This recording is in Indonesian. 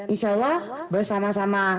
insya allah bersama sama